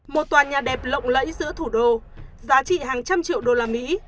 một tòa nhà đẹp lộng lẫy giữa thủ đô giá trị hàng trăm triệu đô la mỹ